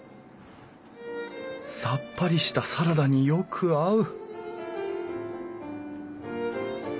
さっぱりしたサラダによく合う！